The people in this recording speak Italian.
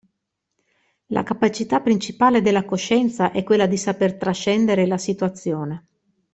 La capacità principale della coscienza è quella di saper trascendere la situazione.